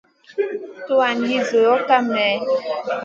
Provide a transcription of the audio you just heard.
Tuwan li zuloʼ kam mèh ?